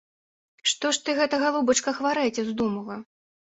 Што ж ты гэта, галубачка, хварэць уздумала?